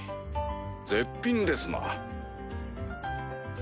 絶品ですな。